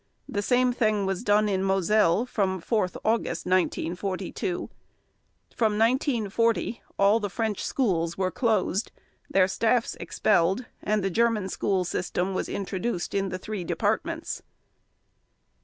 The same thing was done in Moselle from 4 August 1942. From 1940 all the French schools were closed, their staffs expelled, and the German school system was introduced in the three Departments.